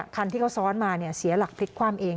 คันที่เขาซ้อนมาเสียหลักพลิกคว่ำเอง